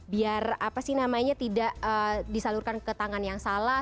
biar apa sih namanya tidak disalurkan ke tangan yang salah